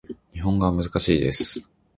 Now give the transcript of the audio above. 日本語は難しいです